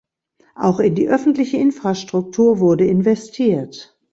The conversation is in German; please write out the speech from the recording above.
Auch in die öffentliche Infrastruktur wurde investiert.